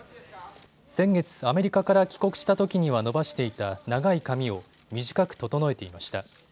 先月、アメリカから帰国したときには伸ばしていた長い髪を短く整えていました。